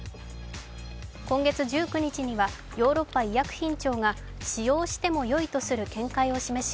今月１９日にはヨーロッパ医薬品庁が使用してもよいとする見解を示し